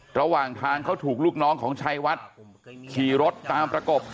ระหว่างทางเขาถูกลูกน้องของชัยวัดขี่รถตามประกบ